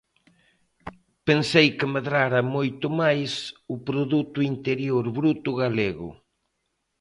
Pensei que medrara moito máis o produto interior bruto galego.